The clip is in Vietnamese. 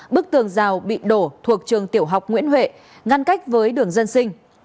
bức tường rào bị đổ thuộc trường tiểu học nguyễn huệ ngăn cách với đường dân sinh